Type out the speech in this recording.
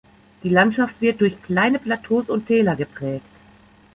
Die Landschaft wird durch kleine Plateaus und Täler geprägt.